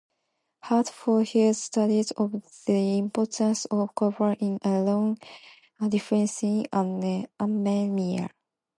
Hart for his studies of the importance of copper in iron-deficiency anemia.